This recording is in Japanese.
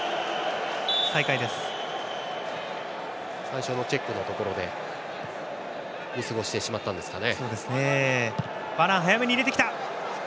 最初のチェックのところで見過ごしてしまったんですかね。